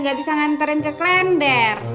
nggak bisa nganterin ke klender